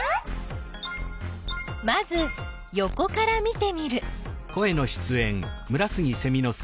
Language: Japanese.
まずよこから見てみる。